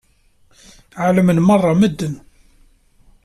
Ɛelmen meṛṛa medden.